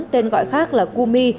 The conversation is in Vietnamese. tên gọi khác là cumi